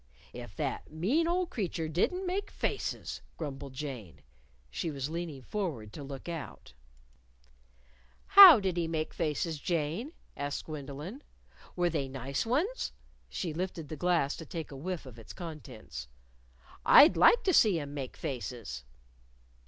"If that mean old creature didn't make faces!" grumbled Jane. She was leaning forward to look out. "How did he make faces, Jane?" asked Gwendolyn. "Were they nice ones?" She lifted the glass to take a whiff of its contents. "I'd like to see him make faces."